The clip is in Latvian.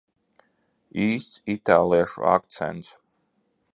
Īsts itāliešu akcents.